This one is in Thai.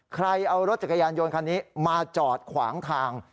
ใครเอารถจักรยานยนต์คันนี้มาจอดขวางทาง